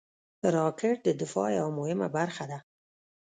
راکټ د دفاع یوه مهمه برخه ده